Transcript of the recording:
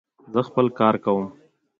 زه خپل کار کوم.